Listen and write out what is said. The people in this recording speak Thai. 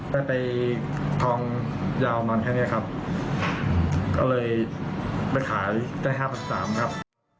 ได้ไปทองยาวมันแค่นี้ครับก็เลยไปขายได้๕๓๐๐บาทครับ